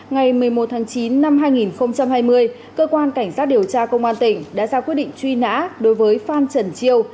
ngày một mươi một tháng chín năm hai nghìn hai mươi cơ quan cảnh sát điều tra công an tỉnh đã ra quyết định truy nã đối với phan trần chiêu